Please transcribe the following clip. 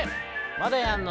「まだやんの？」。